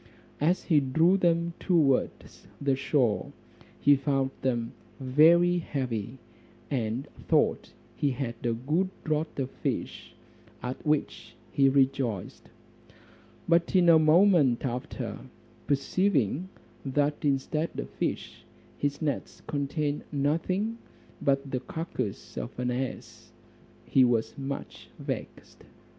As he drew them towards the shore, he found them very heavy, and thought he had a good draught of fish, at which he rejoiced; but in a moment after, perceiving that instead of fish his nets contained nothing but the carcass of an ass, he was much vexed.